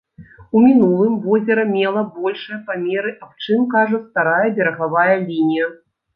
У мінулым возера мела большыя памеры, аб чым кажа старая берагавая лінія.